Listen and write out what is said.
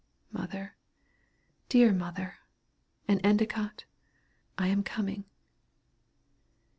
Mother, dear mother, and Endicott, I am coming!"